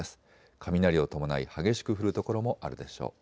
雷を伴い激しく降る所もあるでしょう。